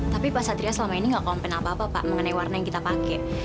tapi pak satria selama ini gak komplain apa apa pak mengenai warna yang kita pakai